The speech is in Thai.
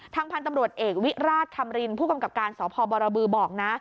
พันธุ์ตำรวจเอกวิราชคำรินผู้กำกับการสพบรบือบอกนะ